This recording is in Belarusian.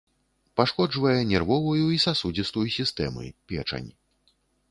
Пашкоджвае нервовую і сасудзістую сістэмы, печань.